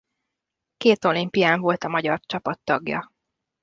Két olimpián volt a magyar csapat tagja.